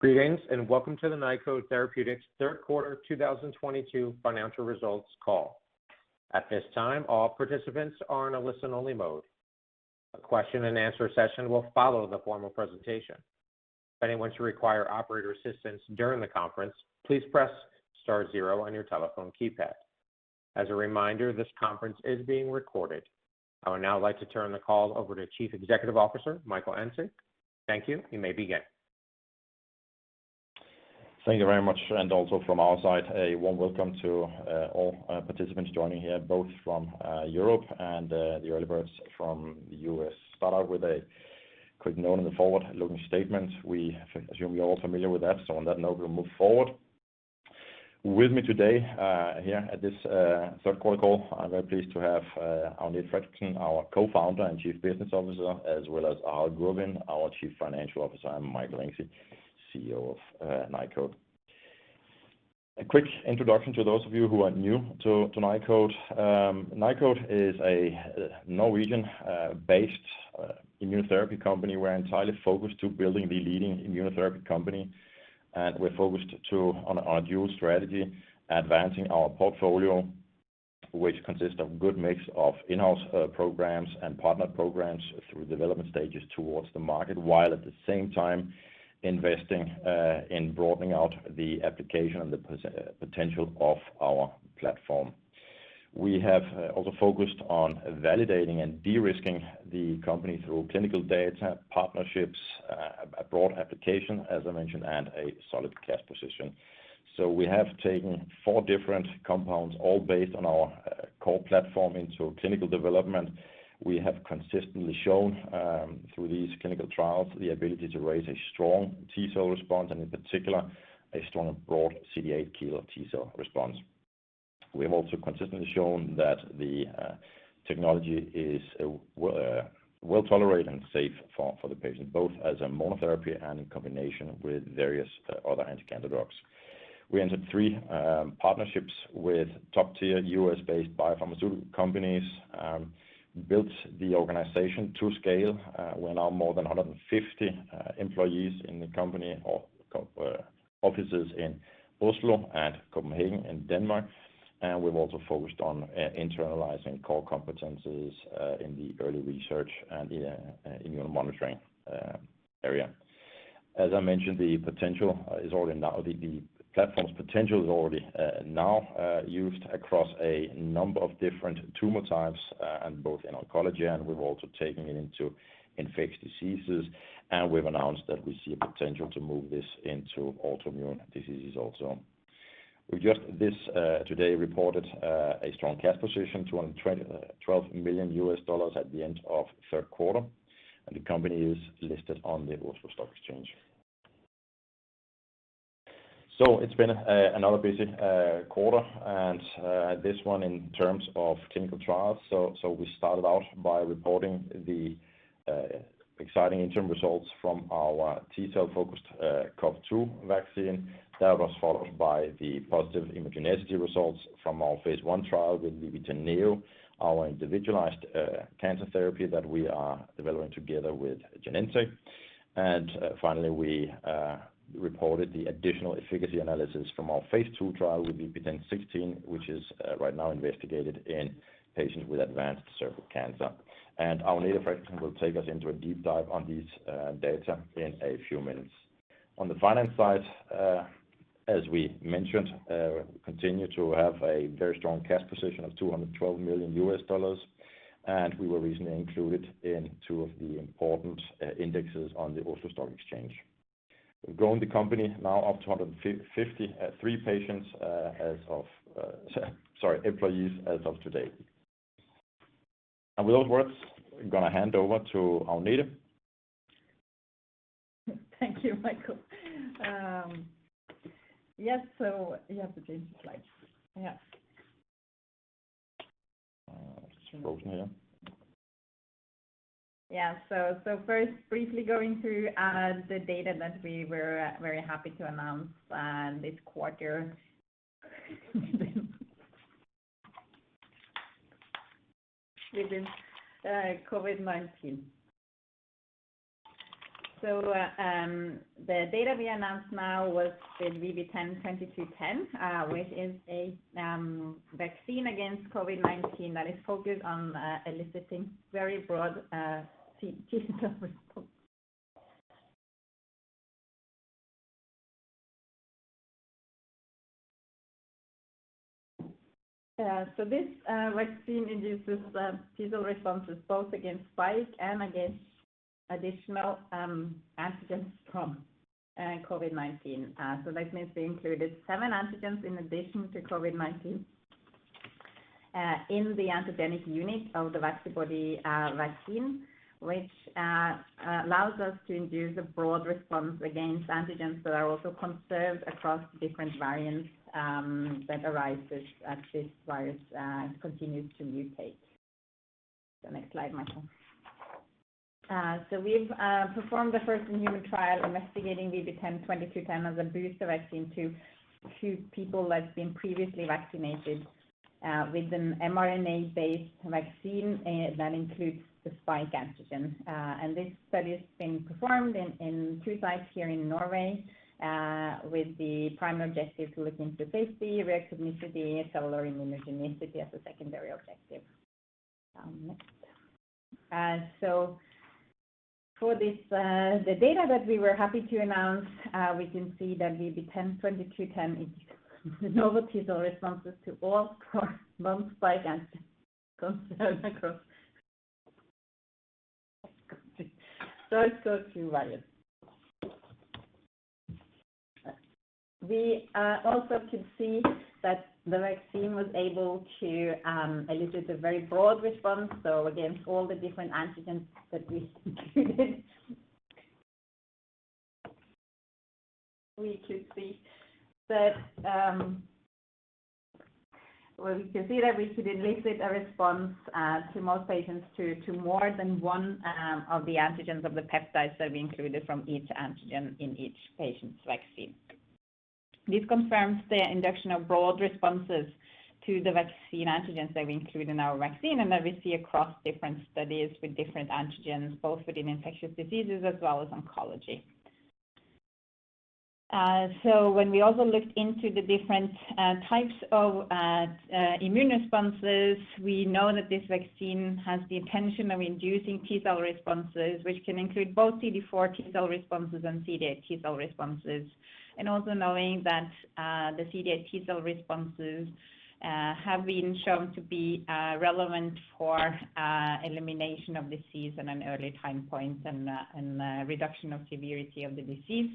Greetings, and welcome to the Nykode Therapeutics Third Quarter 2022 Financial Results Call. At this time, all participants are in a listen-only mode. A Q&A session will follow the formal presentation. If anyone should require operator assistance during the conference, please press star zero on your telephone keypad. As a reminder, this conference is being recorded. I would now like to turn the call over to Chief Executive Officer Michael Engsig. Thank you. You may begin. Thank you very much. Also from our side, a warm welcome to all participants joining here, both from Europe and the early birds from the U.S. Start out with a quick note on the forward-looking statements. We assume you're all familiar with that. On that note, we'll move forward. With me today, here at this third quarter call, I'm very pleased to have Agnete Fredriksen, our Co-founder and Chief Business Officer, as well as Harald Gurvin, our Chief Financial Officer. I'm Michael Engsig, CEO of Nykode. A quick introduction to those of you who are new to Nykode. Nykode is a Norwegian based immunotherapy company. We're entirely focused to building the leading immunotherapy company. We're focused to on our dual strategy, advancing our portfolio, which consists of good mix of in-house programs and partner programs through development stages towards the market, while at the same time investing in broadening out the application and the potential of our platform. We have also focused on validating and de-risking the company through clinical data, partnerships, a broad application, as I mentioned, and a solid cash position. We have taken four different compounds, all based on our core platform into clinical development. We have consistently shown through these clinical trials the ability to raise a strong T cell response, and in particular, a strong and broad CD8 killer T cell response. We have also consistently shown that the technology is well tolerated and safe for the patient, both as a monotherapy and in combination with various other anti-cancer drugs. We entered three partnerships with top-tier U.S.-based biopharmaceutical companies, built the organization to scale. We're now more than 150 employees in the company, offices in Oslo and Copenhagen in Denmark. We've also focused on internalizing core competencies in the early research and in immunomonitoring area. As I mentioned, the potential is already now. The platform's potential is already now used across a number of different tumor types, and both in oncology, and we've also taken it into infectious diseases, and we've announced that we see a potential to move this into autoimmune diseases also. We just this today reported a strong cash position, $212 million at the end of third quarter. The company is listed on the Oslo Stock Exchange. It's been another busy quarter, this one in terms of clinical trials. We started out by reporting the exciting interim results from our T cell focused COVID-19 vaccine. That was followed by the positive immunogenicity results from our phase I trial with VB10.NEO, our individualized cancer therapy that we are developing together with Genentech. Finally, we reported the additional efficacy analysis from our phase II trial with VB10.16, which is right now investigated in patients with advanced cervical cancer. Agnete Fredriksen will take us into a deep dive on these data in a few minutes. On the finance side, as we mentioned, we continue to have a very strong cash position of $212 million. We were recently included in two of the important indexes on the Oslo Stock Exchange. We've grown the company now up to 153 employees as of today. With those words, I'm gonna hand over to Agnete. Thank you, Michael. Yes. You have to change the slide. Yeah. It's working here. First, briefly going through the data that we were very happy to announce this quarter. With the COVID-19. The data we announced now was the VB10.2210, which is a vaccine against COVID-19 that is focused on eliciting very broad T cell response. This vaccine induces T cell responses both against spike and against additional antigens from COVID-19. That means we included seven antigens in addition to COVID-19 in the antigenic unit of the Vaccibody vaccine, which allows us to induce a broad response against antigens that are also conserved across different variants that arise as this virus continues to mutate. The next slide, Michael. We've performed the first human trial investigating VB10.2210 as a booster vaccine to people that's been previously vaccinated. With an mRNA-based vaccine that includes the spike antigen. This study is being performed in two sites here in Norway with the primary objective to look into safety, reactogenicity, cellular immunogenicity as a secondary objective. Next. For this, the data that we were happy to announce, we can see that VB10.2210 can induce novel T cell responses to all four non-spike antigens considered across three SARS-CoV-2 virus. We also could see that the vaccine was able to elicit a very broad response, so against all the different antigens that we included. We could see that. Well, we can see that we could elicit a response to most patients to more than one of the antigens of the peptides that we included from each antigen in each patient's vaccine. This confirms the induction of broad responses to the vaccine antigens that we include in our vaccine and that we see across different studies with different antigens, both within infectious diseases as well as oncology. When we also looked into the different types of immune responses, we know that this vaccine has the intention of inducing T cell responses, which can include both CD4 T cell responses and CD8 T cell responses. Also knowing that the CD8 T cell responses have been shown to be relevant for elimination of disease in an early time point and reduction of severity of the disease.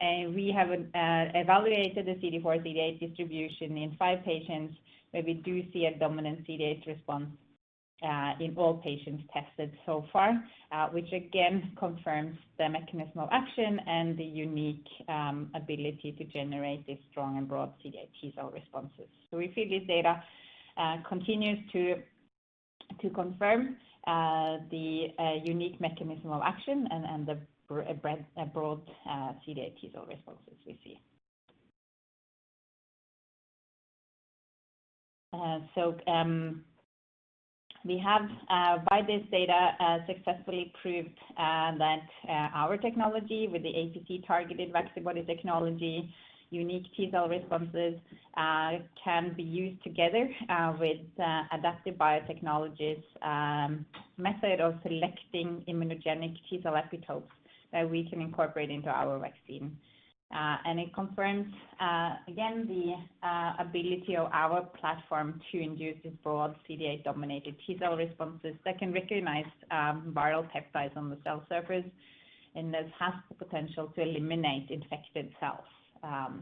We have evaluated the CD4/CD8 distribution in five patients, where we do see a dominant CD8 response in all patients tested so far, which again confirms the mechanism of action and the unique ability to generate these strong and broad CD8 T cell responses. We feel this data continues to confirm the unique mechanism of action and the broad CD8 T cell responses we see. We have, by this data, successfully proved that our technology with the APC-targeted Vaccibody technology, unique T cell responses, can be used together with Adaptive Biotechnologies' method of selecting immunogenic T cell epitopes that we can incorporate into our vaccine. It confirms again the ability of our platform to induce these broad CD8-dominated T cell responses that can recognize viral peptides on the cell surface, and this has the potential to eliminate infected cells.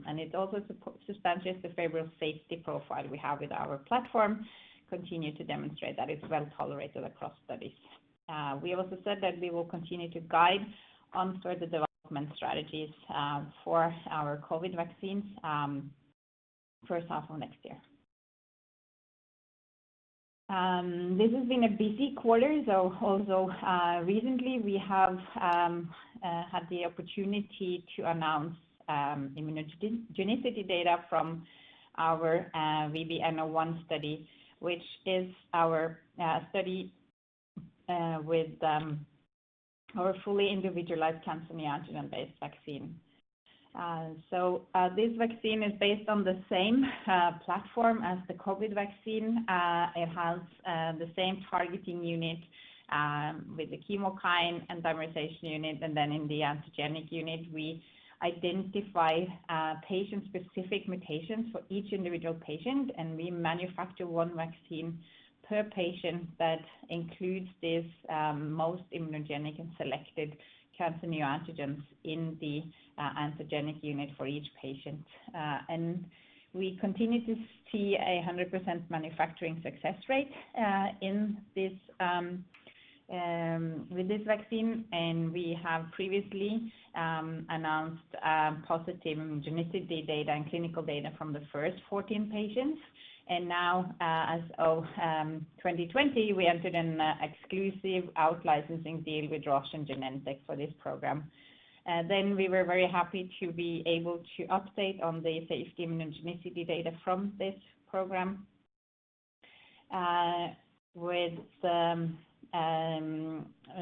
It also substantiates the favorable safety profile we have with our platform, continue to demonstrate that it's well-tolerated across studies. We also said that we will continue to guide on sort of the development strategies for our COVID vaccines, first half of next year. This has been a busy quarter. Also, recently we have had the opportunity to announce immunogenicity data from our VB N-01 study, which is our study with our fully individualized cancer neoantigen-based vaccine. So, this vaccine is based on the same platform as the COVID-19 vaccine. It has the same targeting unit with the chemokine and dimerization unit. Then in the antigenic unit, we identify patient-specific mutations for each individual patient, and we manufacture one vaccine per patient that includes this most immunogenic and selected cancer neoantigens in the antigenic unit for each patient. And we continue to see a 100% manufacturing success rate in this with this vaccine. We have previously announced positive immunogenicity data and clinical data from the first 14 patients. Now, as of 2020, we entered an exclusive out-licensing deal with Roche and Genentech for this program. We were very happy to be able to update on the safety immunogenicity data from this program with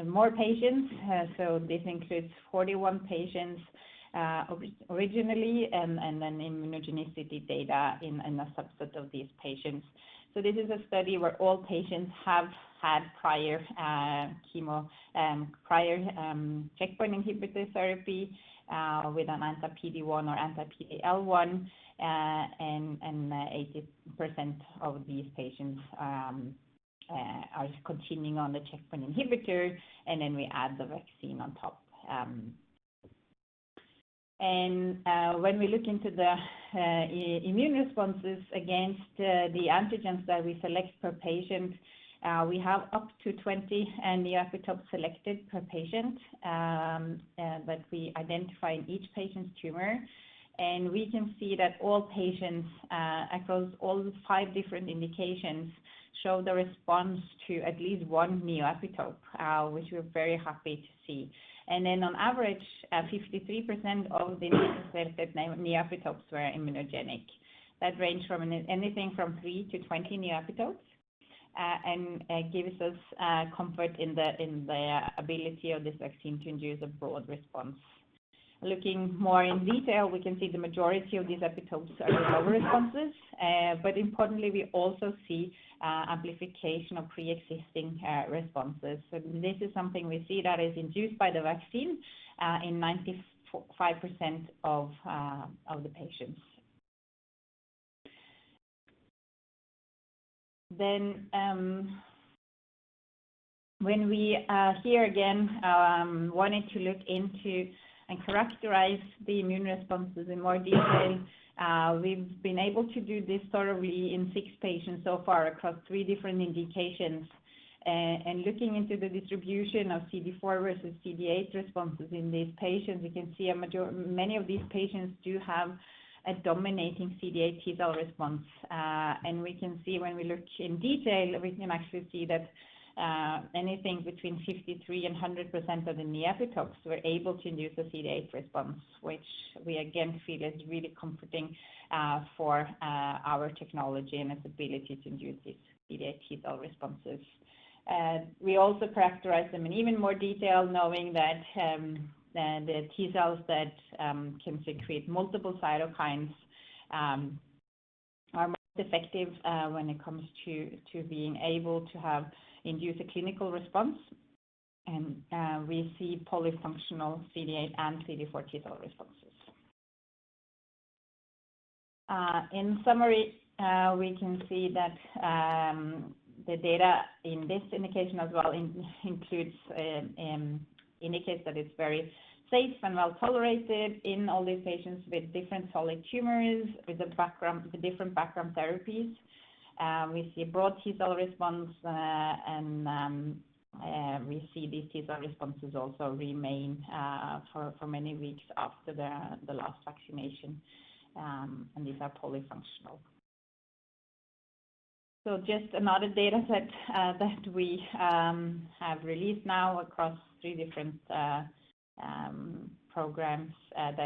more patients. This includes 41 patients originally, and then immunogenicity data in a subset of these patients. This is a study where all patients have had prior chemo, prior checkpoint inhibitor therapy with an anti-PD-1 or anti-PD-L1. 80% of these patients are continuing on the checkpoint inhibitor, and then we add the vaccine on top. When we look into the immune responses against the antigens that we select per patient, we have up to 20 neoepitope selected per patient that we identify in each patient's tumor. We can see that all patients across all five different indications show the response to at least one neoepitope, which we're very happy to see. On average, 53% of these selected neoepitopes were immunogenic. That ranged from an anything from three to 20 neoepitopes. It gives us comfort in the ability of this vaccine to induce a broad response. Looking more in detail, we can see the majority of these epitopes are lower responses. Importantly, we also see amplification of preexisting responses. This is something we see that is induced by the vaccine in 95% of the patients. When we here again wanted to look into and characterize the immune responses in more detail, we've been able to do this thoroughly in six patients so far across three different indications. Looking into the distribution of CD4 versus CD8 responses in these patients, we can see many of these patients do have a dominating CD8 T cell response. We can see when we look in detail, we can actually see that anything between 53%-100% of the neoepitopes were able to induce a CD8 response, which we again feel is really comforting for our technology and its ability to induce these CD8 T cell responses. We also characterize them in even more detail knowing that the T cells that can secrete multiple cytokines are most effective when it comes to being able to have induce a clinical response. We see polyfunctional CD8 and CD4 T cell responses. In summary, we can see that the data in this indication as well indicates that it's very safe and well-tolerated in all these patients with different solid tumors with a background, with different background therapies. We see broad T cell response and we see these T cell responses also remain for many weeks after the last vaccination and these are polyfunctional. Just another data set that we have released now across three different programs that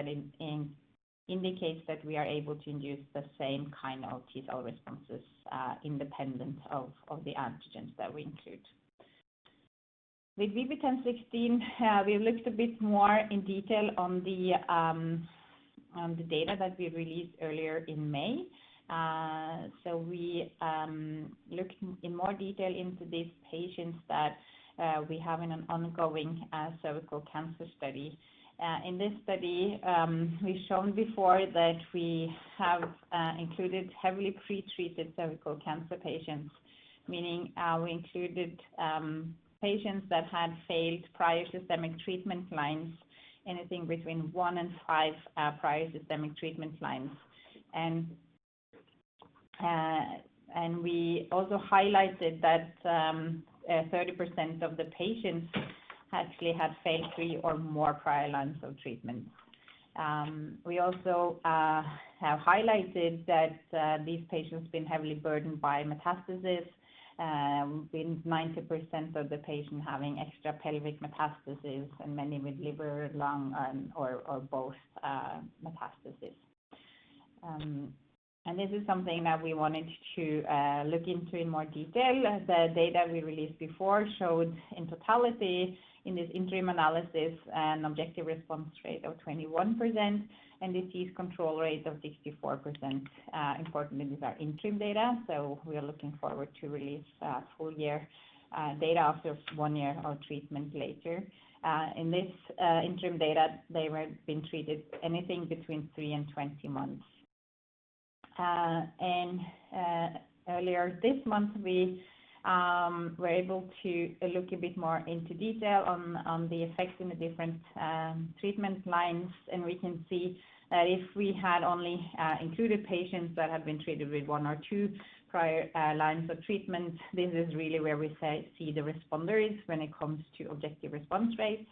indicates that we are able to induce the same kind of T cell responses independent of the antigens that we include. With VB10.16, we've looked a bit more in detail on the data that we released earlier in May. We looked in more detail into these patients that we have in an ongoing cervical cancer study. In this study, we've shown before that we have included heavily pretreated cervical cancer patients, meaning we included patients that had failed prior systemic treatment lines, anything between one and five prior systemic treatment lines. We also highlighted that 30% of the patients actually had failed three or more prior lines of treatment. We also have highlighted that these patients have been heavily burdened by metastasis, with 90% of the patient having extra pelvic metastasis and many with liver, lung, and, or both, metastasis. This is something that we wanted to look into in more detail. The data we released before showed in totality in this interim analysis an objective response rate of 21% and disease control rate of 64%. Importantly, these are interim data, so we are looking forward to release full year data after one year or treatment later. In this interim data, they were being treated anything between three and 20 months. Earlier this month, we were able to look a bit more into detail on the effects in the different treatment lines. We can see that if we had only included patients that had been treated with one or two prior lines of treatment, this is really where we see the responders when it comes to objective response rates.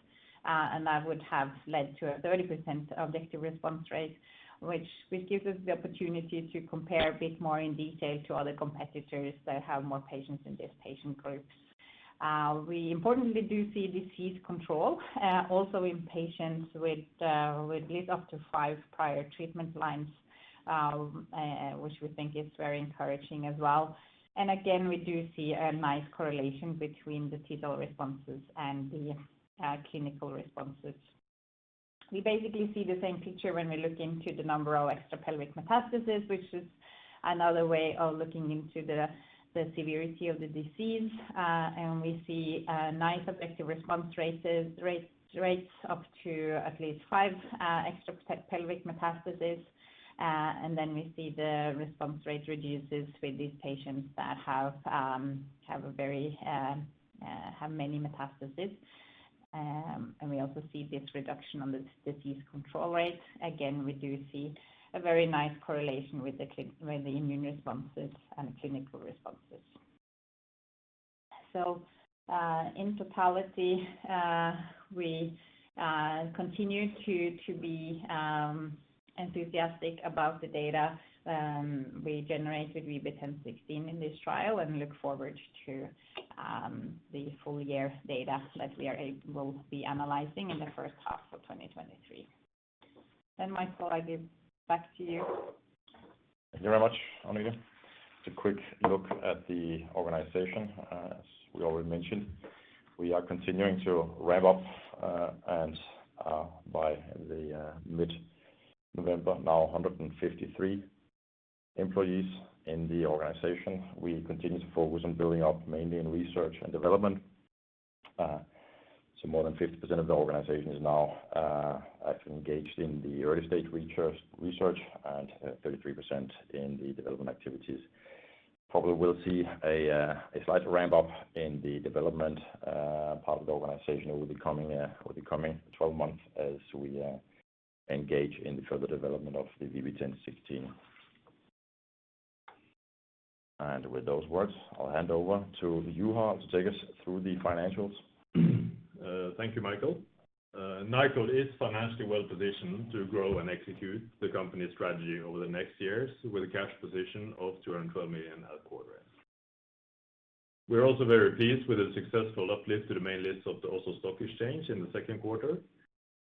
That would have led to a 30% objective response rate, which gives us the opportunity to compare a bit more in detail to other competitors that have more patients in this patient groups. We importantly do see disease control also in patients with at least up to five prior treatment lines, which we think is very encouraging as well. Again, we do see a nice correlation between the T cell responses and the clinical responses. We basically see the same picture when we look into the number of extra pelvic metastasis, which is another way of looking into the severity of the disease. We see nice objective response rates up to at least five extra pelvic metastasis. We see the response rate reduces with these patients that have a very many metastasis. We also see this reduction on the disease control rate. Again, we do see a very nice correlation with the immune responses and clinical responses. In totality, we continue to be enthusiastic about the data we generated with VB10.16 in this trial and look forward to the full year data that we will be analyzing in the first half of 2023. Michael, I give back to you. Thank you very much, Agnete. Just a quick look at the organization. As we already mentioned, we are continuing to ramp up, and by the mid-November, now 153 employees in the organization. We continue to focus on building up mainly in research and development. So more than 50% of the organization is now actually engaged in the early-stage research and 33% in the development activities. Probably we'll see a slight ramp up in the development part of the organization over the coming over the coming 12 months as we engage in further development of the VB10.16. With those words, I'll hand over to Harald to take us through the financials. Thank you, Michael. Nykode is financially well-positioned to grow and execute the company strategy over the next years with a cash position of $212 million at quarter end. We're also very pleased with the successful uplift to the main list of the Oslo Stock Exchange in the second quarter,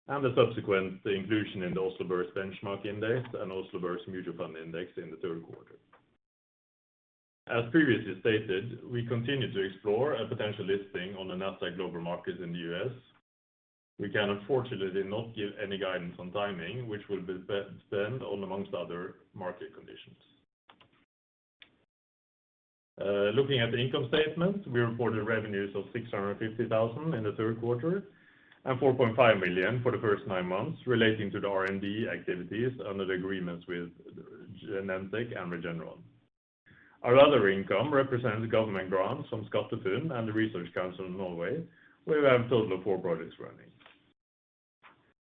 and the subsequent inclusion in the Oslo Børs Benchmark Index and Oslo Børs Mutual Fund Index in the third quarter. As previously stated, we continue to explore a potential listing on the Nasdaq Global Market in the U.S. We can unfortunately not give any guidance on timing, which will depend on amongst other market conditions. Looking at the income statement, we reported revenues of $650,000 in the third quarter and $4.5 million for the first nine months relating to the R&D activities under the agreements with Genentech and Regeneron. Our other income represents government grants from SkatteFUNN and the Research Council of Norway, where we have a total of four projects running.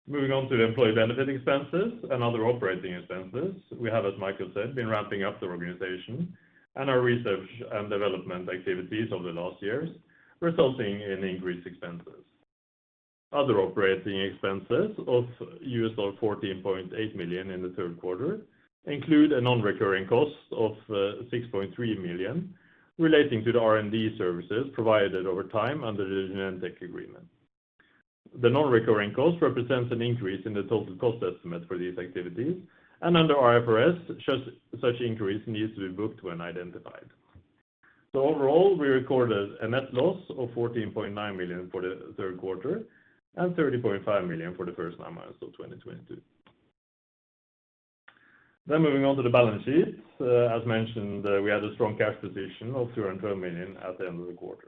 Moving on to employee benefit expenses and other operating expenses, we have, as Michael said, been ramping up the organization and our research and development activities over the last years, resulting in increased expenses. Other operating expenses of $14.8 million in the third quarter include a non-recurring cost of $6.3 million relating to the R&D services provided over time under the Genentech agreement. The non-recurring cost represents an increase in the total cost estimate for these activities, and under IFRS, such increase needs to be booked when identified. Overall, we recorded a net loss of $14.9 million for the third quarter and $30.5 million for the first nine months of 2022. Moving on to the balance sheet. As mentioned, we had a strong cash position of $212 million at the end of the quarter.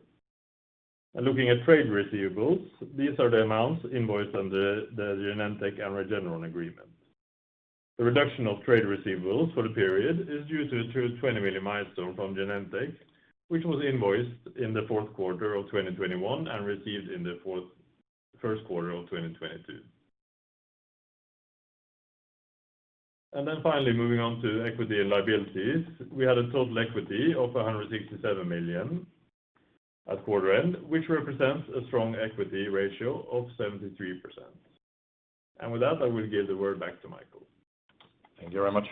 Looking at trade receivables, these are the amounts invoiced under the Genentech and Regeneron agreement. The reduction of trade receivables for the period is due to a $220 million milestone from Genentech, which was invoiced in the fourth quarter of 2021 and received in the first quarter of 2022. Finally moving on to equity and liabilities. We had a total equity of $167 million at quarter end, which represents a strong equity ratio of 73%. With that, I will give the word back to Michael. Thank you very much.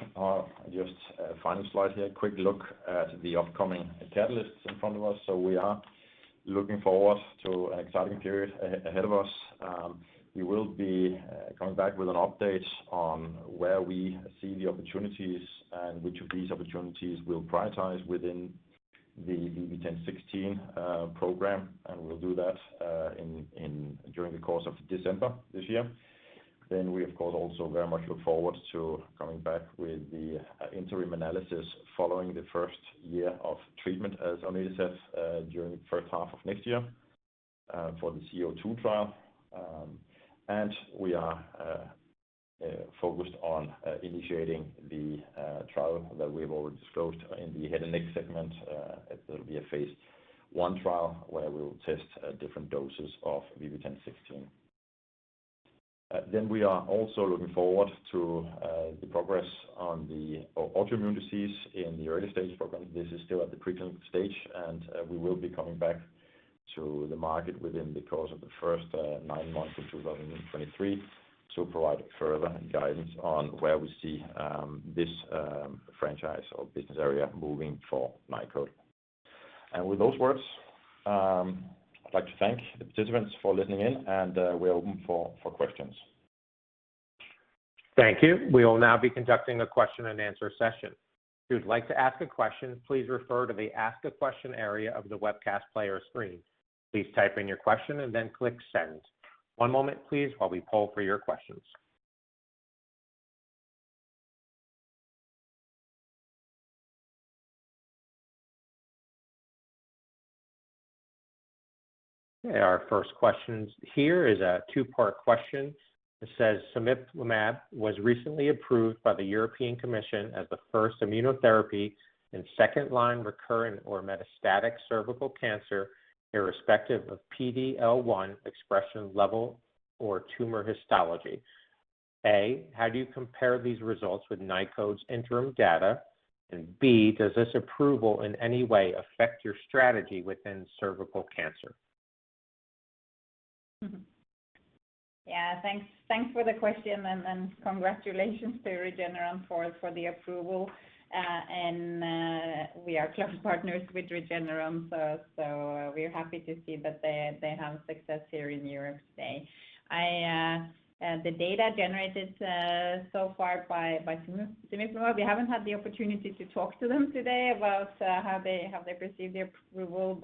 Just a final slide here. Quick look at the upcoming catalysts in front of us. We are looking forward to an exciting period ahead of us. We will be coming back with an update on where we see the opportunities and which of these opportunities we'll prioritize within the VB10.16 program, and we'll do that in during the course of December this year. We of course, also very much look forward to coming back with the interim analysis following the first year of treatment, as Agnete said, during the first half of next year, for the C-02 trial. We are focused on initiating the trial that we have already disclosed in the head and neck segment. It will be a phase 1 trial where we will test different doses of VB10.16. We are also looking forward to the progress on the autoimmune disease in the early stage program. This is still at the pre-clinical stage, and we will be coming back to the market within the course of the first nine months of 2023 to provide further guidance on where we see this franchise or business area moving for Nykode. With those words, I'd like to thank the participants for listening in, we're open for questions. Thank you. We will now be conducting a Q&A session. If you would like to ask a question, please refer to the Ask a Question area of the webcast player screen. Please type in your question and then click Send. One moment, please, while we poll for your questions. Okay, our first question here is a two-part question. It says: Cemiplimab was recently approved by the European Commission as the first immunotherapy in second-line recurrent or metastatic cervical cancer, irrespective of PD-L1 expression level or tumor histology. A, how do you compare these results with Nykode's interim data? B, does this approval in any way affect your strategy within cervical cancer? Yeah. Thanks, thanks for the question and congratulations to Regeneron for the approval. We are close partners with Regeneron, so we're happy to see that they have success here in Europe today. I, the data generated so far by cemiplimab, we haven't had the opportunity to talk to them today about how they received their approval,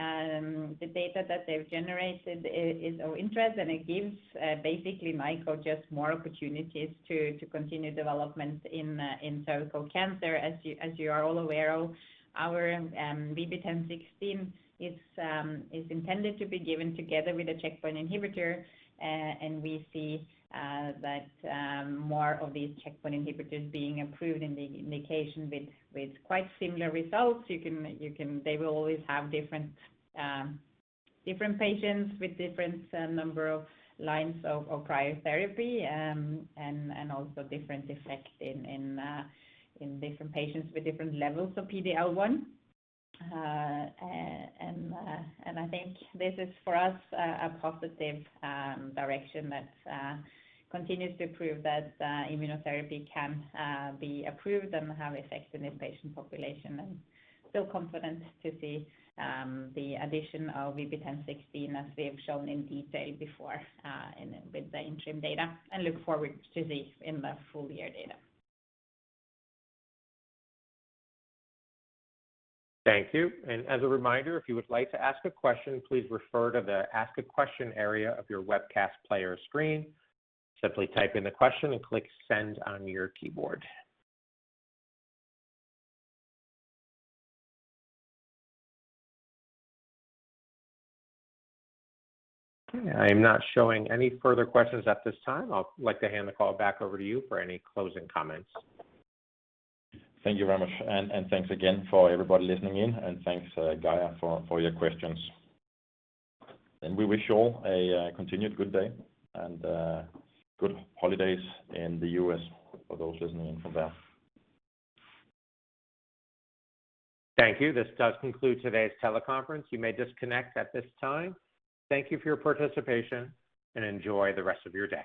but the data that they've generated is of interest, and it gives Nykode just more opportunities to continue development in cervical cancer. As you are all aware of our VB10.16 is intended to be given together with a checkpoint inhibitor. We see that more of these checkpoint inhibitors being approved in the indication with quite similar results. They will always have different patients with different number of lines of prior therapy, and also different effect in different patients with different levels of PD-L1. I think this is, for us, a positive direction that continues to prove that immunotherapy can be approved and have effects in this patient population. Feel confident to see the addition of VB10.16, as we have shown in detail before, with the interim data, and look forward to see in the full year data. Thank you. As a reminder, if you would like to ask a question, please refer to the Ask a Question area of your webcast player screen. Simply type in the question and click Send on your keyboard. Okay, I am not showing any further questions at this time. I'll like to hand the call back over to you for any closing comments. Thank you very much, and thanks again for everybody listening in, and thanks, Gaia, for your questions. We wish all a continued good day and good holidays in the U.S. for those listening in from there. Thank you. This does conclude today's teleconference. You may disconnect at this time. Thank you for your participation, and enjoy the rest of your day.